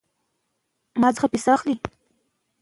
ډاکټران ټېکنالوژي په خوندي ډول کاروي.